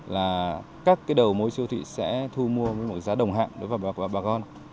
là các đầu mối siêu thị sẽ thu mua với giá đồng hạng và bạc on